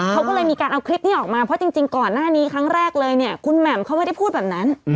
เขาก็เลยมีการเอาคลิปนี้ออกมาเพราะจริงก่อนหน้านี้ครั้งแรกเลยเนี่ยคุณแหม่มเขาไม่ได้พูดแบบนั้น